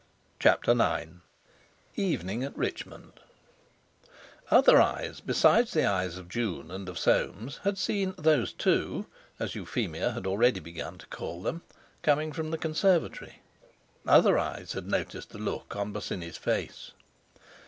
CHAPTER IX EVENING AT RICHMOND Other eyes besides the eyes of June and of Soames had seen "those two" (as Euphemia had already begun to call them) coming from the conservatory; other eyes had noticed the look on Bosinney's face.